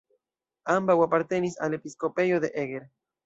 Ambaŭ apartenis al episkopejo de Eger.